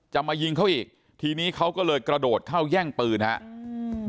มายิงเขาอีกทีนี้เขาก็เลยกระโดดเข้าแย่งปืนครับ